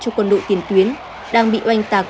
cho quân đội tiền tuyến đang bị oanh tạc